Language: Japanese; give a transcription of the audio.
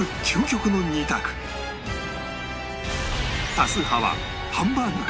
多数派はハンバーグか？